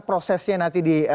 prosesnya nanti di